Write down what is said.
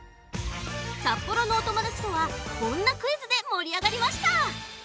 札幌のおともだちとはこんなクイズでもりあがりました！